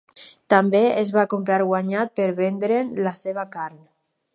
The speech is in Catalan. També es va comprar guanyat per vendre"n la seva carn.